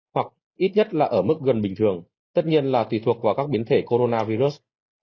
hoặc ít nhất là ở mức gần bình thường tất nhiên là tùy thuộc vào các biến thể coronavirus